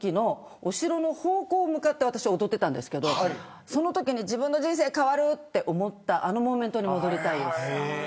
お城の方向に向かって踊ってたんですけどそのときに自分の人生変わると思ったあのモーメントに戻りたいです。